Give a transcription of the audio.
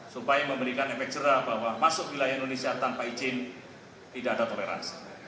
supaya memberikan efek jerah bahwa masuk wilayah indonesia tanpa izin tidak ada toleransi